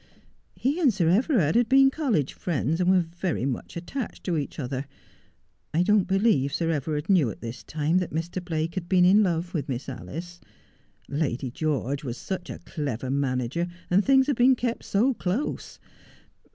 He and Sir Everard had been college friends, and were very much attached to each other. I don't believe Sir Everard knew at this time that Mr. Blake had been in love with Miss Alice. Lady George was such a clever manager, and things had been kept so close.